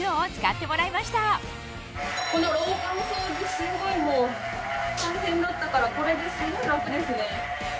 すごいもう大変だったからこれですごい楽ですね。